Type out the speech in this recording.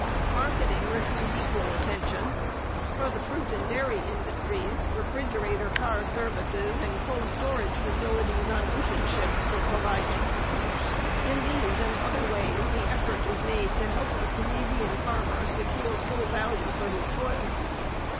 Marketing received equal attention. For the fruit and dairy industries refrigerator car services and cold storage facilities on ocean ships were provided. In these and other ways the effort was made to help the Canadian farmer to secure full value for his toil.